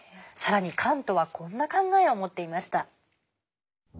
更にカントはこんな考えを持っていました。